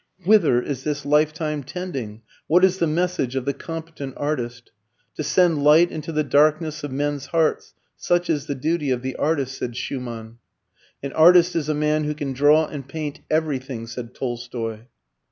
Whither is this lifetime tending? What is the message of the competent artist? "To send light into the darkness of men's hearts such is the duty of the artist," said Schumann. "An artist is a man who can draw and paint everything," said Tolstoi.